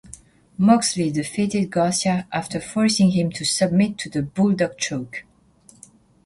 Moxley defeated Garcia after forcing him to submit to the "Bulldog Choke".